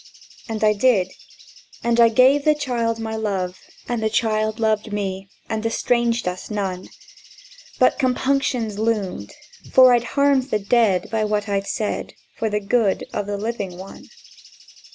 And I did. And I gave the child my love, And the child loved me, and estranged us none. But compunctions loomed; for I'd harmed the dead By what I'd said For the good of the living one.